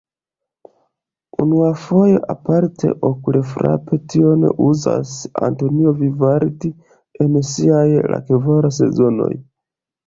Unuafoje aparte okulfrape tion uzas Antonio Vivaldi en siaj La kvar sezonoj.